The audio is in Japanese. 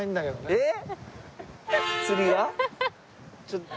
えっ！？